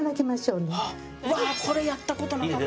うわっこれやった事なかった。